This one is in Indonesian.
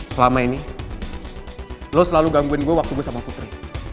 selama ini lo selalu gangguin gue waktu gue sama putri